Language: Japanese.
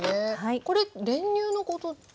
これ練乳のことですか？